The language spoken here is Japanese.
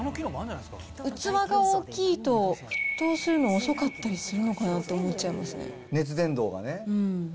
器が大きいと、沸騰するの遅かったりするのかなと思っちゃいますね。